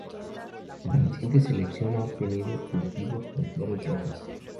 Una reciente selección ha obtenido cultivos con flores rojas.